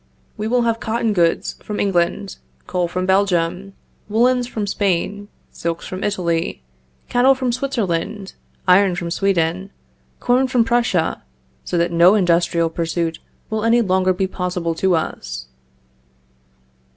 We will have cotton goods from England, coal from Belgium, woolens from Spain, silks from Italy, cattle from Switzerland, iron from Sweden, corn from Prussia, so that no industrial pursuit will any longer be possible to us.